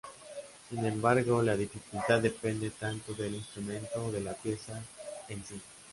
Sin embargo, la dificultad dependen tanto del instrumento o de la pieza en sí.